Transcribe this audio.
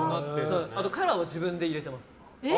カラーも自分で入れてます。